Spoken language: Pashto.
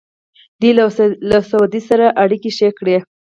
دوی له سعودي سره اړیکې ښې کړې.